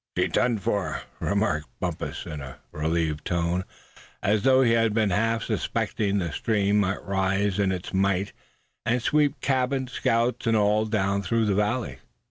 "She's done for," remarked Bumpus, in a relieved tone, as though he had been half suspecting that the stream might rise in its might, and sweep cabin, scouts and all down through the valley.